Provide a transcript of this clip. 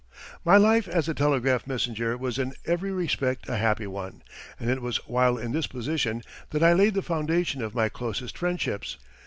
] My life as a telegraph messenger was in every respect a happy one, and it was while in this position that I laid the foundation of my closest friendships.